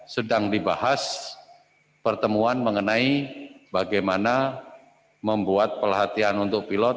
sedang dibahas pertemuan mengenai bagaimana membuat pelatihan untuk pilot